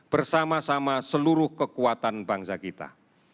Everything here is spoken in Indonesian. bersama sama seluruh kekuatan bangsa kita